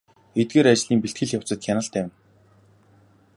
Эдгээр ажлын бэлтгэл явцад хяналт тавина.